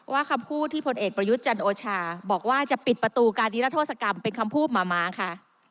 คำพูดที่พลเอกประยุทธ์จันโอชาบอกว่าจะปิดประตูการนิรัทธศกรรมเป็นคำพูดหมาม้าค่ะ